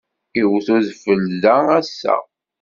Iwet udfel da ass-a.